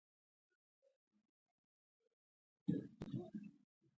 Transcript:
ما ابروزي ته د تګ عزم کړی وو خو نه ولاړم.